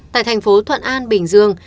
tại thành phố thuận an bình dương